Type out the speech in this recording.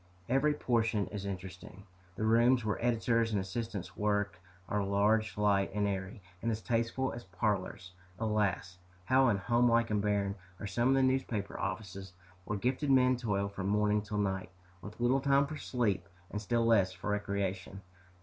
Every portion is interesting. The rooms where editors and assistants work are large, light, and airy, and as tasteful as parlors. Alas! how unhomelike and barren are some of the newspaper offices, where gifted men toil from morning till night, with little time for sleep, and still less for recreation.